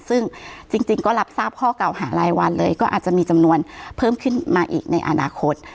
ซึ่งจริงก็รับทราบข้อเก่าหารายวันเลยก็อาจจะมีจำนวนเพิ่มขึ้นมาอีกในอนาคต